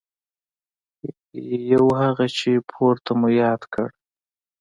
یو هغه چې پورته مو یاد کړ.